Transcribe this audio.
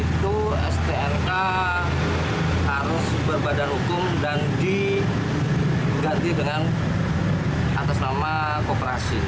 itu stnk harus berbadan hukum dan diganti dengan atas nama kooperasi